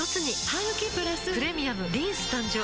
ハグキプラス「プレミアムリンス」誕生